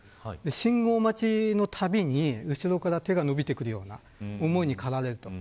信号待ちのたびに、後ろから手が伸びてくるような思いに駆られると。